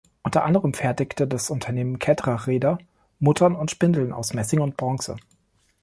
Unter anderem fertigte das Unternehmen Ketterer Räder, Muttern und Spindeln aus Messing und Bronze.